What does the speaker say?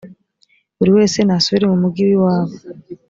buri wese nasubire mu mugi w’iwabo